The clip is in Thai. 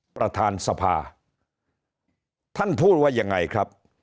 ประธานสภาท่านพูดว่ายังไงครับ